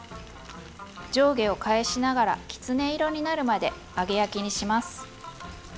上下を返しながらきつね色になるまで揚げ焼きにします。